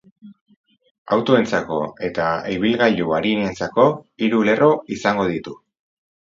Autoentzako eta ibilgailu arinentzako hiru lerro izango ditu.